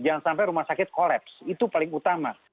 jangan sampai rumah sakit kolaps itu paling utama